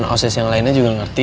osses yang lainnya juga mengerti